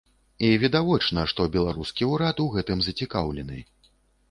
І відавочна, што беларускі ўрад у гэтым зацікаўлены.